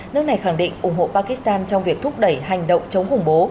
nước này khẳng định ủng hộ pakistan trong việc thúc đẩy hành động chống khủng bố